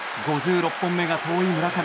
５６本目が遠い村上。